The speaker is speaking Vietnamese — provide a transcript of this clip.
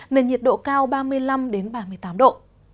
nền nhiệt độ cao ba mươi năm ba mươi tám độ